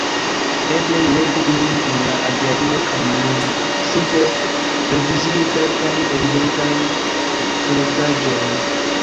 Eble mi legu ilin en la aviadilo kaj nun simple reviziu kelkajn evidentajn herezaĵojn.